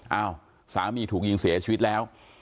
เอ้าสามีถูกยิงเสียชีวิตแล้ว